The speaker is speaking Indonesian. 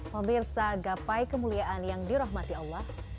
pemirsa gapai kemuliaan yang dirahmati allah